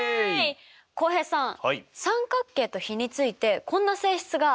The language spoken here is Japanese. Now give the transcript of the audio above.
浩平さん三角形と比についてこんな性質があるんです。